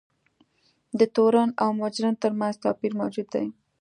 د تورن او مجرم ترمنځ توپیر موجود دی.